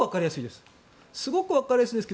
すごくわかりやすいです。